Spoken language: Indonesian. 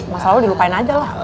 masa lalu dilupain aja lah